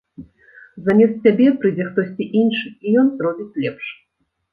Замест цябе прыйдзе хтосьці іншы, і ён зробіць лепш.